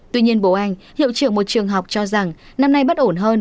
tuy nhiên bố anh hiệu trưởng một trường học cho rằng năm nay bất ổn hơn